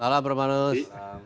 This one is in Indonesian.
selamat malam bang romanus